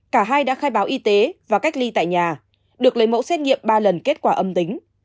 cả hai đã khai báo y tế và cách ly tại nhà được lấy mẫu xét nghiệm ba lần kết quả âm tính